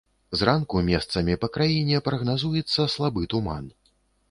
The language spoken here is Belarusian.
Зранку месцамі па краіне прагназуецца слабы туман.